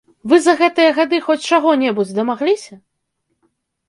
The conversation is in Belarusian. Вы за гэтыя гады хоць чаго-небудзь дамагліся?